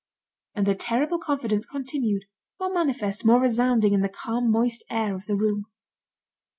And the terrible confidence continued, more manifest, more resounding, in the calm moist air of the room.